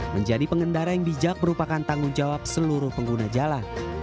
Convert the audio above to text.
menjadi pengendara yang bijak merupakan tanggung jawab seluruh pengguna jalan